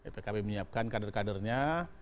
pkb menyiapkan kader kadernya